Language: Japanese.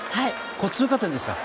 通過点ですから。